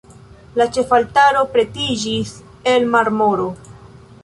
La ĉefaltaro pretiĝis el marmoro.